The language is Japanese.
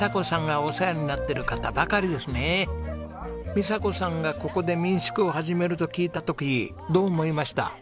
美佐子さんがここで民宿を始めると聞いた時どう思いました？